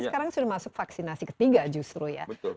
sekarang sudah masuk vaksinasi ketiga justru ya